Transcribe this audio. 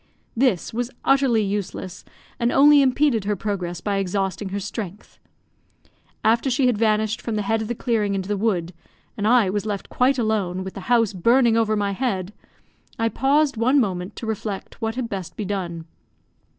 This was utterly useless, and only impeded her progress by exhausting her strength. After she had vanished from the head of the clearing into the wood, and I was left quite alone, with the house burning over my head, I paused one moment to reflect what had best be done.